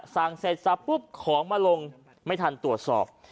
เสร็จสับปุ๊บของมาลงไม่ทันตรวจสอบ